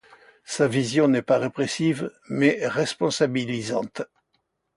Sa vision n'est pas répressive mais responsabilisante.